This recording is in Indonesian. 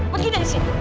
pergi dari sini